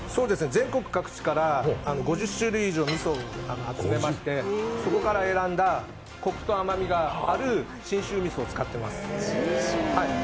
全国各地から５０種類以上みそを集めましてそこから選んだコクと甘みがある信州味噌を使っています。